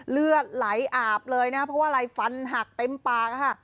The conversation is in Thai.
เลือดไหลอาบเลยนะเพราะว่าอะไรฟันหักเต็มปากค่ะ